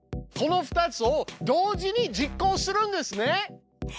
この２つを同時に実行するんですね！